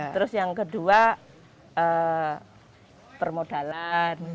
terus yang kedua permodalan